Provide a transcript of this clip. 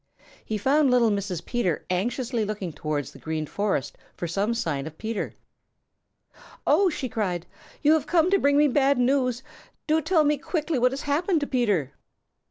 He found little Mrs. Peter anxiously looking towards the Green Forest for some sign of Peter. "Oh!" she cried, "you have come to bring me bad news. Do tell me quickly what has happened to Peter!"